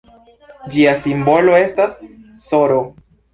Ĝia simbolo estas sr.